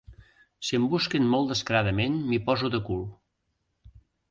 Si em busquen molt descaradament m'hi poso de cul.